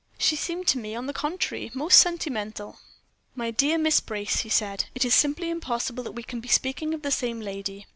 She seemed to me, on the contrary, almost sentimental." "My dear Miss Brace," he said, "it is simply impossible that we can be speaking of the same lady.